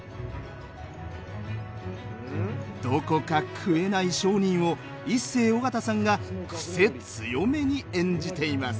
どこか食えない商人をイッセー尾形さんが癖強めに演じています。